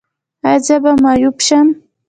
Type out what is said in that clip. ایا زه به معیوب شم؟